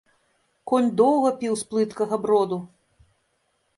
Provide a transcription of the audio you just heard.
Конь доўга піў з плыткага броду.